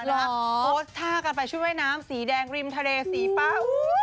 โพสต์ท่ากันไปชุดว่ายน้ำสีแดงริมทะเลสีฟ้า